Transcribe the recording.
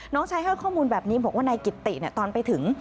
น้องชายให้ข้อมูลแบบนี้บอกว่านายกิตติตอนไปถึง